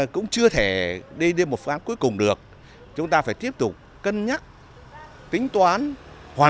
cũng như là mẹ mình bà mình ở nhà